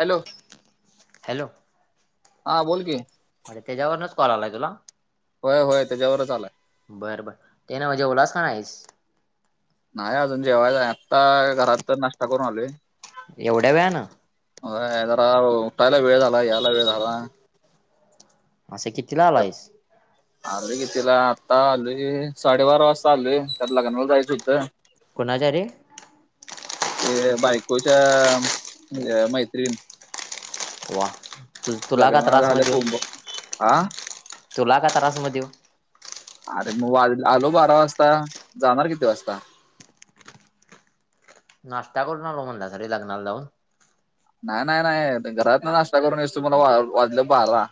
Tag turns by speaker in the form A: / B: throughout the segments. A: Hello
B: hello
A: हा बोल की
B: आणि त्याच्यावरच कॉल आलाय तुला
A: होय होय त्याच्यावरच आलाय
B: बरं बर ते ना म्हजे ओलास का नाहीस
A: नाही अजून जेव्हा आता घरात तर नाश्ता करून आलेय
B: एवढ्या वेळ ना
A: होरा उठाला वेळदला याला वळला
B: हां स कतीलावाला आहेस
A: आले की तिला आत्ता आली साडेबारा वाजता आली त्या लग्ना व जायचं होतं
B: कोणाजारी
A: ते बायकोच्या म्हणजे मैत्रीण
B: वा तु तुला का
A: लग्न झालं
B: त्रासमध्ये ये
A: बोंब हा
B: तुला का त्रासमध्ये ये
A: अरे मग वाजला आलो बारा वाजता जाणार किती वाजता
B: नाश्ता करून आलो म्हणला स र लग्नाला ला जाऊन
A: नाही नाही नाही घरात ना नाश्ता करून यस तो मला वाजलं पाला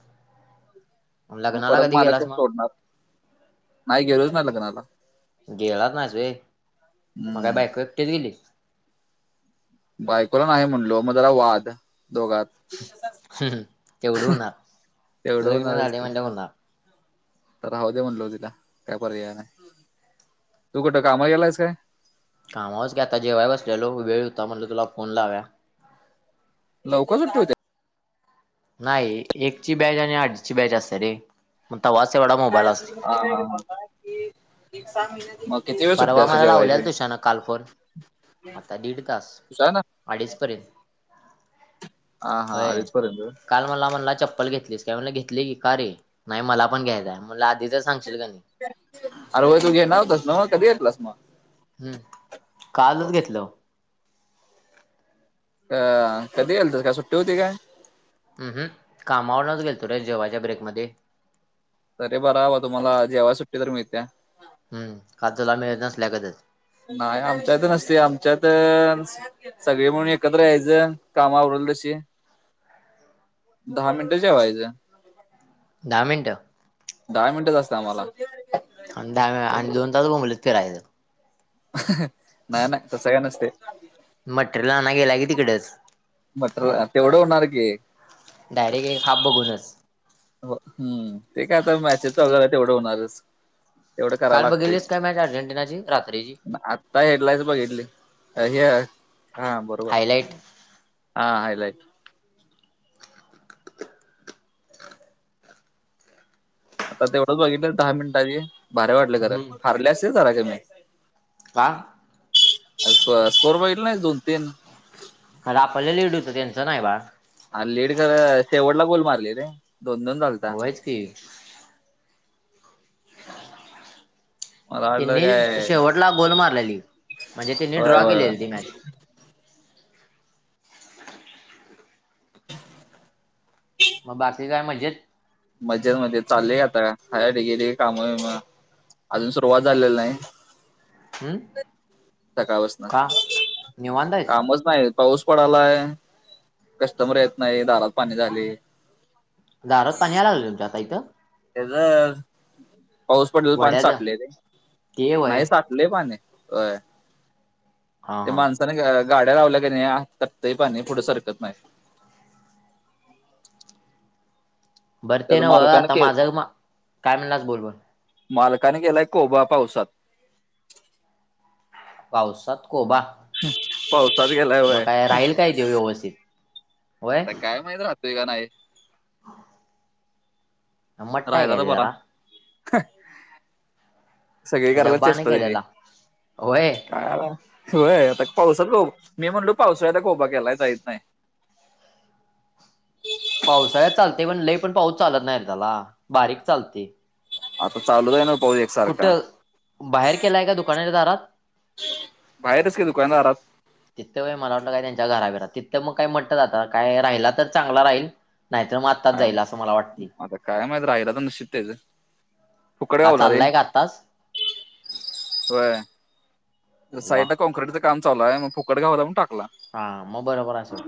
B: [unintelligible]
A: मग परत
B: कधी
A: मला का
B: गेलास मग
A: सोडणार नाही गेलोच नाही लग्नाला
B: गेलाच नाचय म काय
A: हम्म
B: बायक एकटेच गेली
A: बायकोला नाही म्हणलो मग जरा वाद दोघांत
B: तेवढ ब उ
A: तेवढं होणारच की
B: म्हट ब
A: राहू दे्या म्हणलो तिला काय परय नाही तू कुठं काम यालास काय
B: कामाच घ्या आता जेव्हाय बसलेो वेळ होता म्हण तुला फोन लाव्या
A: लवकरच
B: नाही एकची बॅच आणि आठची बॅच असते रे मग तेव्हाच एवढा मोबाईल असते
A: होता क एक सहा महिने
B: परवा मला लावलेल तुशान काल फर आता दीड तास
A: तुझा ना
B: अडीचपर्यंत
A: हा हा अरचपर्यंत
B: काल मला म्हणला चप्पल घेतलीस काय म्हणला घेतली की का रे नाही मला पण घ्यायचंय म्हलं आधीच सांगशील का नाही
A: अरे व तू घे नवतस ना म कधी येतलास मग
B: हम्म कालच घेतलं
A: अ कधी येल तरस का सुट्टी होती काय
B: हम् हम कामावरूनच गेलतो रे जेव्हाच्या ब्रेकमध्येध्ये
A: अरे बरवा तुम्हाला जेव्हा सुट्टी तर मिळत्या
B: हम् काजला मिळत नसल्या कतच
A: नाही आमच्यात नसते आमच्यात सगळे म्हणून एकत्र यायचं कामावरडेल तशी दहा मिनिटं जेवायचं
B: दहा मिनटं
A: दहा मिनिटांच असतं आम्हाला
B: अन दहा वेळा... अन दोन तास बोंबलत फिरायचं
A: हं... नाय नाय, तसं काय नसतंय.
B: मटेरियल आणायला गेलाय की तिकडेच
A: मटर... तेवढं होणार की?
B: डायरेक्ट एक हाप भगुनच
A: हम्म... ते काय आता... मॅचेत वगैर तेवढं होणारच तेवढं करावं
B: काल
A: लागतंय
B: बघेतलीस काय मॅच... अर्जेंटिनाची, रात्रीची
A: नाई... हेडलाईन्स बघितली... हे... हा बरोबर
B: हायलाइट
A: हा... हायलाइट आता तेवढंच बघितलं दहा मिनिटाची... भारी वाटलं खरं...
B: हम्म
A: हारले असतील जरा कमी
B: हा
A: [unintelligible] बगितलं नाई दोन तीन
B: आरं... आपलं लेट होतं... त्यांचं नाई बाळ
A: आरं... लीड खरं... शेवटला गोल मारली रे... दोन दोन गोल झाल्ती
B: होयच की
A: मला वाटलं
B: त्यांनी
A: काय
B: शेवटला गोल मारलेली... म्हणजे त्यांनी
A: होय
B: ड्रॉ
A: होय होय
B: केलेली ती मॅच
A: [inaudible]
B: मग बाकी काय मजेत?
A: मजेत मध्ये... चाललंय आता.... हाय आता, गेली ए, काम बीमं अजून सुरुवात झालेली नाई
B: हम्म
A: [unintelligible] सकाळ पासनं...
B: का निवांत आहेस
A: कामच नाई... पाऊस पडलाय, कस्टमर येत नाई, दारात पाणी झालंय
B: दारात पाणी यायला लागलं तुमच्या आता इथं?
A: त्याचं... पाऊस पडलेलं पाणी
B: वड्याच
A: साठलय रे,
B: ते व्हय
A: नाई साठ लै पाणी ए... होय...
B: हा
A: ते
B: हा
A: माणसं गाड्या लावल्याय की नई... टपतय पाणी, पुढे सरकत नाई
B: बरं ते
A: त्यात
B: नव्ह...
A: मालकानं
B: आता
A: के
B: माझं... काय म्हणलास... बोल बोल
A: मालकानं केलाय कोबा पावसात
B: पावसात कोबा?
A: पावतात केलाय
B: मग
A: व्हय
B: काय राहील काय व्यवस्थित होय
A: आता काय माहीत, राहतोय का नाई
B: मट्टा आहे
A: राहिला
B: काय
A: तर
B: ते
A: बरा...
B: जरा
A: हं सगळी करायला...
B: जब्बाने
A: चेष्टा त्याची
B: केलेला होय
A: काय आता... व्हय... आता पावसात, मी म्हणलो पावसाळ्यात कोबा केलाय... आता येत नाई
B: पावसाळ्यात चालतंय... पण लई पण पाऊस चालत नाई रे त्याला, बारीक चालतंय.
A: आता चालूच हे न पाऊस एक
B: कुठं, बाहेर केलाय, का दुकानाच्या दारात?
A: बाहेरच की... दुकानाच्या दारात
B: तिथं व्हय... मला वाटलं काय त्यांच्या घराबिरात. तिथं मग काय, [unintelligible] आता काय राहिला तर चांगला राहील नाईतर मग
A: काय...
B: जाईल असं मला वाटते
A: आता काय माहीत... राहिला तर नशीब त्याचं फुकट
B: का
A: गावला रे...
B: चाललाय का आत्ताच
A: व्हय
B: वा
A: साईडला कॉँक्रीिटचं काम चालू ए... मग फुकट गावला म्हणून टाकला
B: हा... मग... बरोबर असल...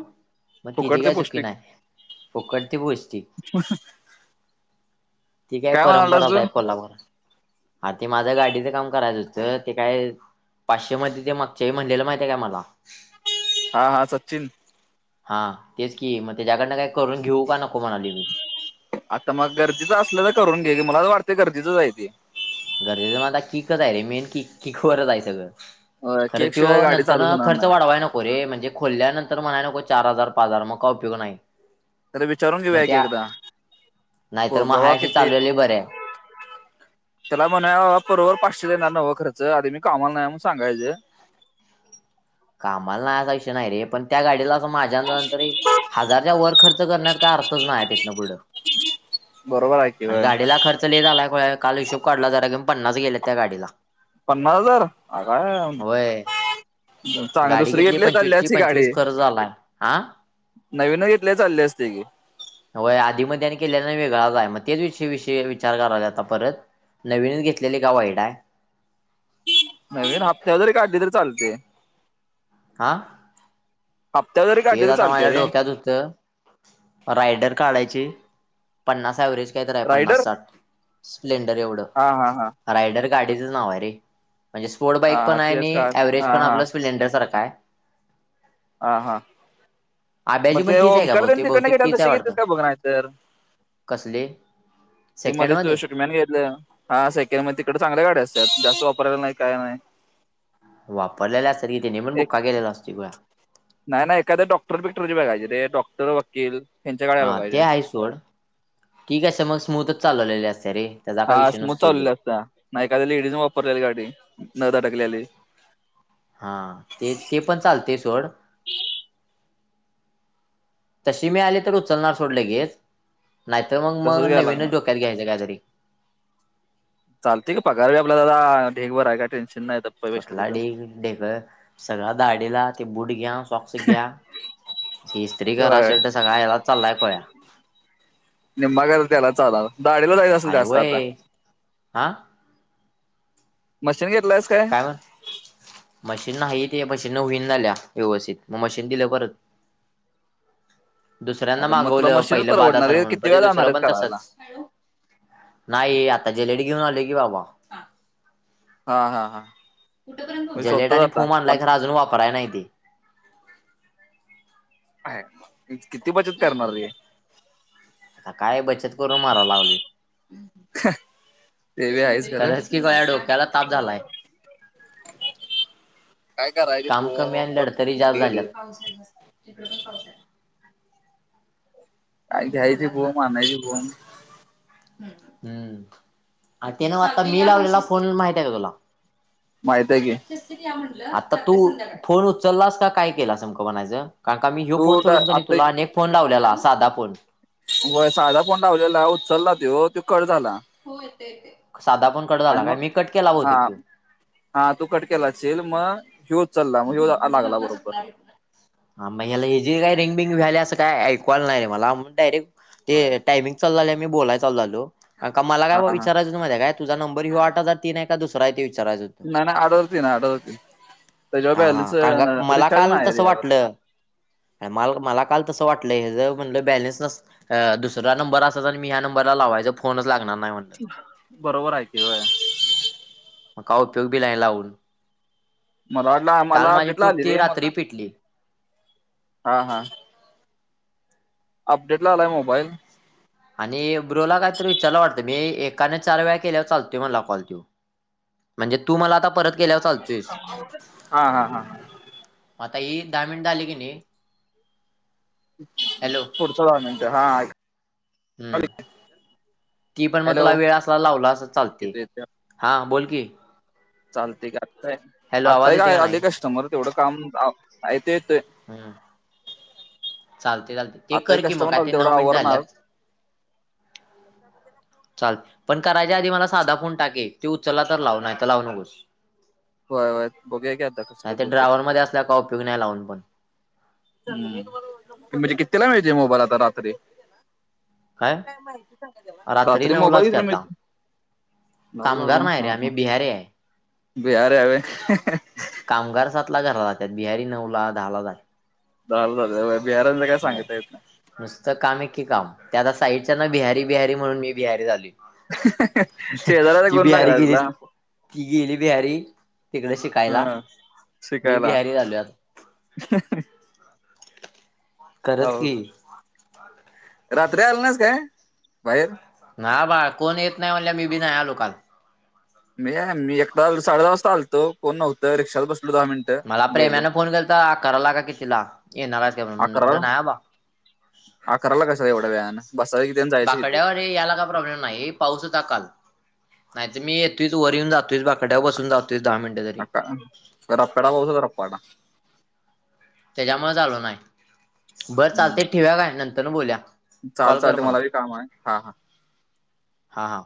B: मग तेची
A: फुकट ते
B: काय चुकी
A: पौष्टिक
B: नाय... फुकट ते पोस्ती
A: हुं हुं
B: ती काय
A: म्हणालास
B: परंपराच
A: तू
B: हे कोल्हापूरात... ते माझं गाडीचं काम करायचं होतं, ते काय पाचशेमध्ये ते मागच्या येळी, म्हणलेलं माहितेय काय मला
A: हा हा सचिन
B: हा तेच की मग त्याच्याकडन काही करून घेऊ का नको म्हणाली
A: आता मग गरजेचं असलं तर करून घे की मला तर वाटते गरजेचं हाय ते
B: गरजेचं म आता किकच आहे रे मेन क किकवररच आहे सगळं. खरं
A: केक
B: तो
A: शिवाय गाडी
B: नंतर
A: चालूच होणार
B: खर्च
A: नाही
B: वाढवाय नको. पुरे म्हणजे खोोलल्यानंतर म्हणायला नको चार हजार पाच हजार मग का उपयोग नाही
A: तर विचारून
B: मग
A: घेऊया की
B: त्या
A: एकदा
B: नाहीतर
A: हो
B: मग
A: बाबा
B: हायाशी
A: किती
B: चाललेले बरे आहे
A: त्याला म्हणा बरोबर पाचशे देणार नवं खर्च आधी मी कामाला नाही म्हून सांगायचं.
B: कामाला नाही असा विषय नाही रे पण त्या गाडीला असं मा त्याच्या नंतर हजारच्या वर खर्च करण्यात काय अर्थच नाही तिथन पुढं
A: बरोबर हाय की व
B: च झालायय काल हिशोब काढला जरा क पन्नास गेलेत त्या गाडीला
A: पन्नास हजार आग आय
B: होय
A: चांग
B: गाडी
A: दुसरी घेतली चाली
B: पंचवीसची
A: असती गाडी.
B: पंचवीस खर्च झालाय हा.
A: नवीनच घेतलेय चालले असते की
B: व्हय आधीमध्ये आणि केल्याने वेगळाच आहे मग तेच विष विषय विचार करायला आता परत नवीनीच् घेतलेली का वाईट या
A: नवीन हप्त्या जरी काढली तरी चालते
B: हा
A: हप्त्यांत तरी
B: तेच आता माझ्या
A: चालते रे
B: डोक्यात होतं रायडर काढायची पन्नास ऍव्हरेज कायतर आहे
A: रायडर
B: पन्नास साठ स्प्लेंडर एवढं
A: हा हा हा
B: रायडर गाडीचं नाव आहे रे म्हणजे स्पोर्ट बाईक
A: हा
B: पण आहे
A: तेच
B: आणि
A: का
B: एवरेज
A: हा
B: पण
A: हा
B: आपलं स््लेंडर सारखा आहे.
A: हा हा मे
B: आब्याची पण तीच आहे का
A: कर्द
B: बहुतेक
A: ते
B: बहुतेक
A: कड्कडेल
B: तीच
A: तर
B: आहे वाटतं
A: शेगिततस काय बघ नाय
B: कसली
A: ते
B: सेकंड
A: मध्येच
B: मध्ये
A: [unintelligible] घेतलं हा सेकंड म तिकडं चांगल्या गाड्या असतात जास्त वापरायला नाही काय नाही.
B: वापरलेले असत की तिने पण
A: एक
B: बुक्का केलेला असत ग
A: नाही नाही एखाद्या डॉक्टर बिकटरची बघायचे रे डॉक्टर, वकील यांच्या गाड्या
B: हा ते
A: बघायच्या
B: आहे सोड ठीक आहे अस मग स्मूथच चालवलेले असते रे त्याचा
A: हा
B: काय विषय
A: स्मूथ
B: नसते
A: चाललेले असता नाही एखाद्या लेडीजून वापरलेले गाडी नदा टकलेली
B: हा ते ते पण चालते सोड तशी मी आली तर उचलणार सोडले गेच नाहीतर मग मग
A: तसंच घ्यायला
B: नवीनच
A: लागणार
B: डोक्यात घ्यायचं काहीतरी
A: चालतेय का पगारवे आपला दादा ढेगभर आहे काय टेन्शन नाही पैशाचं
B: कुठला
A: तेन
B: डी ढेकळ सगळा दाडीला ते बूट घ्या सॉक्स घ्या इस्त्री करा
A: होय
B: शर्ट सगळा याला चाललाय कोया
A: निम्मा खर्च त्यालाच आला दाडीला जायच असेल
B: अरे
A: जास्त आता
B: वय हा
A: मशीन घेतलायस काय?
B: कायण मशीन नाही ते मशीन न होईन झाल्या व्यवस्थित मग मशीन दिलं परत दुसऱ्यांना
A: अरे मग तुला
B: मागवलं
A: मशीनच
B: पहिलं बाद
A: परवडणार
B: असल
A: आहे
B: म्हणून
A: किती
B: ते
A: वेळा जाणार
B: दुसरं
A: आहेस
B: पण
A: करायला
B: तसंच नाही आता जलेडी घेऊन आले की बाबा
A: हा हा हा म्हणजे
B: जेलेट
A: स्वतः
B: आणि
A: जाता
B: फोम आणलाय
A: पण
B: खर अजून वापराय नाही ते
A: ह किती बचत करणारी आहे.
B: आ काय बचत करून मारा लावली ते
A: बी
B: चन
A: आहेच खरं
B: खरच की काय डोक्याला ताप झालाय
A: काय करायची
B: काम कमी आणि
A: बोंब
B: लढतरी जास्त
A: कुठे गेली
B: झाल्यात पाऊस आहे जास्त तिकडे पण पाऊस आहे
A: अ घयची बोब आणायची बोब
B: हम्म ते ना आता मी लावलेला फोन महिित आहे का तुला?
A: माहिती आहे की
B: व्यवस्थित या म्हणलं आता तू फोन उचललास काय केला नेमकं म्हणायचं? कारण का मी ह्यो
A: तू
B: फोन सोडून कणी
A: आता
B: तुला अनेक फोन लावलाा साधा फोन
A: होय साधा पण लाावलेला उचलला तो तो कट झाला
B: होय ते ते साधा पण कट झाला
A: आणि
B: काय
A: मग
B: मी कट केला
A: हा
B: बहुतेक तो
A: हा तू कट केला असीलल मग हिऊ चालला मग हिऊ लागला बरोबर
B: ह म ह्याला हे जे काही रिंगबिंग वले असं काय ऐकवायला नाही मला डायरेक्ट ते टायमिंग चाल झालं मी बोलाय चालू झालो अ मला काय
A: हा हा
B: विचारयच माध्ये्या काय तझ नंबर हि आठजार तीन आहे का दुसरा आहे ते विचारयच
A: नाही आठ हजार तीन आठ हजार तीन
B: हा हा कारण मला काल
A: आहे
B: तसं
A: त्यावर
B: वाटलं काय माल मला काल तसं वाटलं जर म्हटलं बॅलन्स नसल अ दुसरा्या नंबर अस आणि मी ह्या नंबरला लावायचं फोनच लागणार नाही म्हण
A: बरोबर आहे कि वय
B: मग उपयोगबी नाही लावून
A: मला वाट
B: काल
A: मला
B: माझी
A: अपडेट ला
B: टूप
A: आले
B: ती
A: रे
B: रात्री पिटली.
A: मला हा हा अपडेट ला आलाय मोबाईल
B: आणि ब्रोला कायतरी विचारयला वाटतं मी एकाने चार वेळा केल्यावर चालतय मला कॉल तो म्हणजे तू मला आता परत चालतोयस
A: हा हा हा
B: आता ही दहा मिनिट झाली की नाही हॅलो
A: पुढचं काय म्हणते हा
B: हम्म
A: ऐक
B: ती पण मग
A: हॅलो
B: तुला वेळ अस लावला अस चालते
A: येतो येतो
B: हा बोल की
A: चालते का आताय
B: हॅलो आवाज
A: आत्ता
B: येते
A: काय
B: का नाही
A: आले कस्टमर तेवढं कामअ ते येतय
B: हम्म चालते चालते ते
A: आताही
B: कर की मग
A: कस्टमर
B: काय
A: झाल
B: ते नऊ
A: तेवढा
B: मिनिट
A: आवरणार
B: झाल्यात. चाल पण करायच्या आधी मला साधा फन टाके त उचलला तर लावूनय तर लावू नकोस
A: होयय बघूया का आता कस कस होतय
B: बऱ्याच लोकांना बघूया लावून पण
A: हम् म्हणजे किततीला मिळते मोबाईल आता रात्री काय माहिती सांग त्याला रात्री
B: नऊलाच
A: मोबाईल
B: की
A: घेतला मि
B: आता
A: नव रे
B: कामगार नाही
A: हा
B: आम्ही
A: ह
B: बिहारी आहे.
A: बीरे आ [unintelligible]
B: कामगार सातला घरा जातात बिहारी नऊ ला दहा ला जात
A: दर बेर बिहारालवे
B: हय नुसतं काम आहे की काम त्या आता साईडच्या ना बिहारी बिहारी म्हणून मी बिहारी झालोय
A: [unintelligible] शेजार् याचा
B: ती
A: गुन
B: बिहारी
A: लागला
B: गेली
A: तुला
B: ती गेली बिहारी तिकडे शिकायला
A: हा
B: मी बिहारी झालो आत
A: [unintelligible] ह
B: खरंच
A: हाव
B: की.
A: रात्री आल नाहीस काय बाहेर
B: ना बा कोण येत नाही म्हणल्या मी बी नाही आलो काल
A: मी मी एक साडे दहा वाजता आलतो कोण नव्हतं रिक्षाला बसलो दहा मिनटं
B: मला प्रेमानें फोन केलता तर करायला का कितीिला येणार का नाही अबा
A: आकराला कस काय एवढे वेळान
B: बाकड्यावर याला काय प्रॉब्लेम नाही पाऊस होता काल नाही त मी येतोच वर येन जातोयस बाकड्यावर बसून जातोस दहा मिनट
A: रपपाटा पाहस हो रपपाटा
B: त्याच्यामुळे झालो नाही बरं चालते
A: हम्म
B: ठेव्या का नंतर बोलल्या
A: चाल चालते मला काम आहे हा हा
B: हा हा